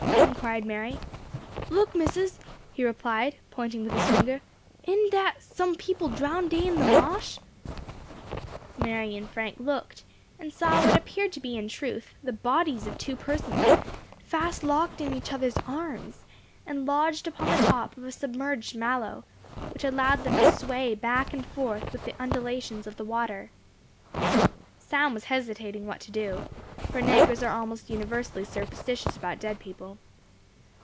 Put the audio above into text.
inquired Mary. "Look, Missus," he replied, pointing with his finger. "Enty[#] dat some people drown dey in de ma'sh?" [#] Is not that. Mary and Frank looked, and saw what appeared to be in truth, the bodies of two persons fast locked in each other's arms, and lodged upon the top of a submerged mallow, which allowed them to sway back and forth with the undulations of the water. Sam was hesitating what to do for negroes are almost universally superstitious about dead people.